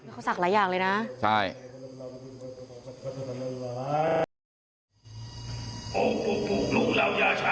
เขาศักดิ์หลายอย่างเลยนะใช่